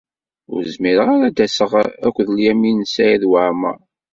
Ur zmireɣ ara ad d-aseɣ akked Lyamin n Saɛid Waɛmeṛ.